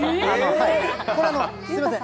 これ、すみません。